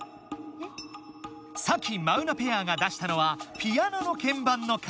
サキ・マウナペアが出したのは「ピアノのけんばんの数」